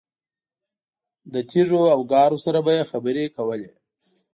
له تیږو او ګارو سره به یې خبرې کولې.